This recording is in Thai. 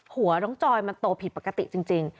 หัวน้องจอยมันโตผิดปกติจริง